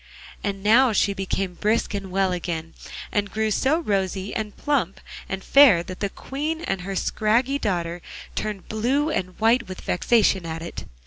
And now she became brisk and well again, and grew so rosy, and plump, and fair that the Queen and her scraggy daughter turned blue and white with vexation at it.